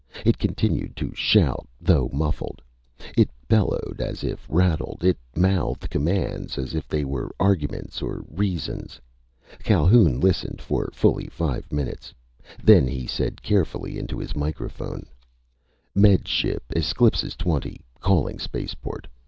It continued to shout, though muffled. It bellowed, as if rattled. It mouthed commands as if they were arguments or reasons. Calhoun listened for fully five minutes. Then he said carefully into his microphone: "Med Ship Esclipus Twenty calling spaceport.